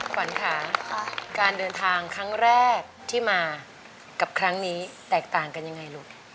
ขวัญค่ะการเดินทางครั้งแรกที่มากับครั้งนี้แตกต่างกันยังไงลูก